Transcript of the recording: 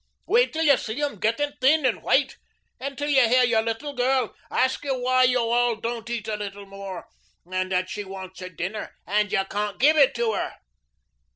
Wait till you see 'em getting thin and white, and till you hear your little girl ask you why you all don't eat a little more and that she wants her dinner and you can't give it to her.